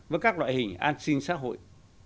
với các loại hình an sinh xã hội